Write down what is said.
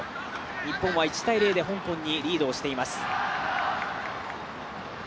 日本は１−０で香港にリードしています。